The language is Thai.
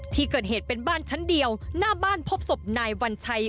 ที่เกิดเหตุเป็นบ้านชั้นเดียวหน้าบ้านพบศพนายวัญชัย